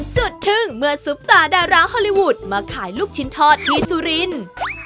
ทึ่งเมื่อซุปตาดาราฮอลลีวูดมาขายลูกชิ้นทอดที่สุรินทร์